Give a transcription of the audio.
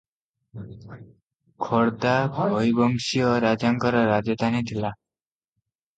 ଖୋର୍ଦା ଭୋଇବଂଶୀୟ ରାଜାଙ୍କର ରାଜଧାନୀ ଥିଲା ।